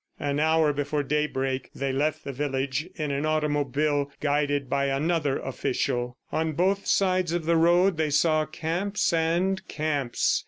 An hour before daybreak, they left the village, in an automobile, guided by another official. On both sides of the road, they saw camps and camps.